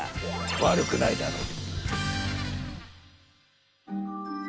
悪くないだろう。